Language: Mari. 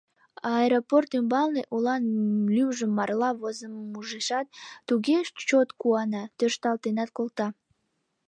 Аэропорт ӱмбалне олан лӱмжым марла возымым ужешат, туге чот куана — тӧршталтенак колта.